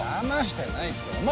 だましてないって。